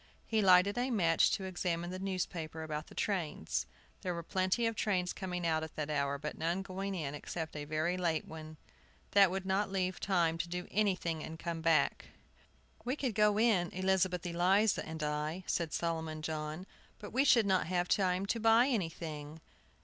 He lighted a match to examine the newspaper about the trains. There were plenty of trains coming out at that hour, but none going in except a very late one. That would not leave time to do anything and come back. "We could go in, Elizabeth Eliza and I," said Solomon John, "but we should not have time to buy anything."